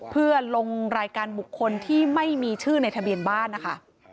เพื่อลงรายการบุคคลที่ไม่มีชื่อในทะเบียนบ้านนะคะ